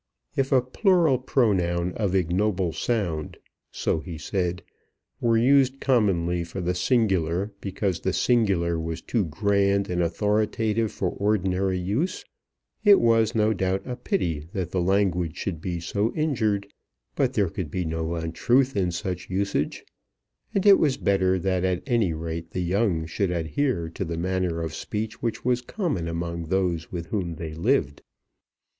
"If a plural pronoun of ignoble sound," so he said, "were used commonly for the singular because the singular was too grand and authoritative for ordinary use, it was no doubt a pity that the language should be so injured; but there could be no untruth in such usage; and it was better that at any rate the young should adhere to the manner of speech which was common among those with whom they lived."